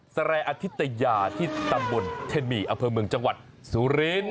แรอธิตยาที่ตำบลเทนมีอำเภอเมืองจังหวัดสุรินทร์